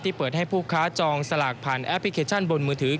เปิดให้ผู้ค้าจองสลากผ่านแอปพลิเคชันบนมือถือ